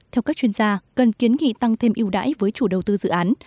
theo các chuyên gia cần kiến nghị tăng thêm yêu đáy với chủ đầu tư dự án